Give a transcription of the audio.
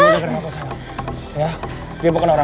enggak aku bilang udah udah